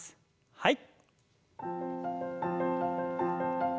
はい。